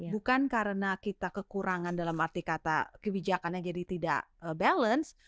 bukan karena kita kekurangan dalam arti kata kebijakannya jadi tidak balance